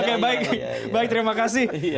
oke baik terima kasih